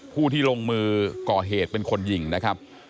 ผู้ที่ลงมือก่อเหตุเป็นคนยิงนะครับ